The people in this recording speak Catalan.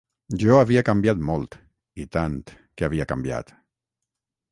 Jo havia canviat molt (I tant que havia canviat!).